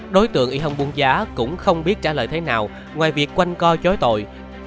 đối tượng y hồng buông giá cũng không biết trả lời thế nào ngoài việc quanh co chối tội